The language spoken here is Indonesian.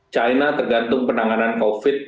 china tergantung penanganan covid